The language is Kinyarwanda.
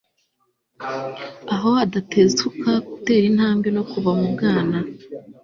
Aho adatezuka gutera intambwe no kuva mu bwana